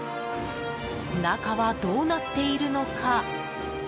中はどうなっているのか。